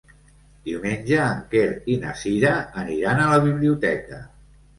Diumenge en Quer i na Cira aniran a la biblioteca.